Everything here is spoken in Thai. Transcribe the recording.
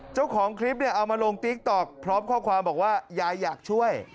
เจ้าของคลิปเนี่ยเอามาลงติ๊กต๊อกพร้อมข้อความบอกว่ายายอยากช่วย